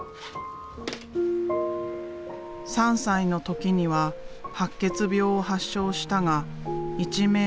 ３歳の時には白血病を発症したが一命は取り留めた。